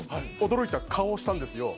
驚いた顔をしたんですよ。